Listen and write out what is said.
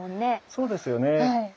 そうですよね。